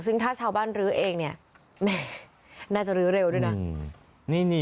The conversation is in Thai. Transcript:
ซึ่งถ้าชาวบ้านลื้อเองเนี่ยแม่น่าจะลื้อเร็วด้วยนะ